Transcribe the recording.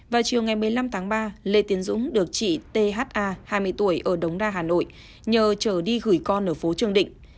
vào chiều ngày một mươi năm tháng ba lê tiến dũng được chị t h a hai mươi tuổi ở đống đa hà nội nhờ chở đi gửi con ở phố trường định